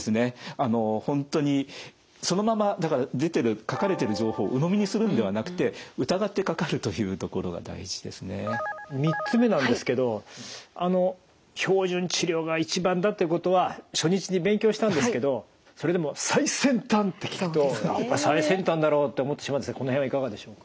あの本当にそのまま出てる書かれてる３つ目なんですけどあの標準治療が一番だってことは初日に勉強したんですけどそれでも最先端って聞くとやっぱり最先端だろって思ってしまうんですがこの辺はいかがでしょうか？